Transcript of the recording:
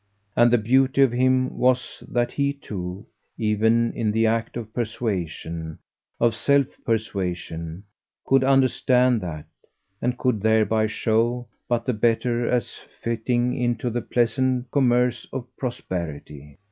And the beauty of him was that he too, even in the act of persuasion, of self persuasion, could understand that, and could thereby show but the better as fitting into the pleasant commerce of prosperity.